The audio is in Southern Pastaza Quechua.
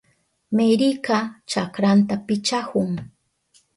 Meryka chakranta pichahun.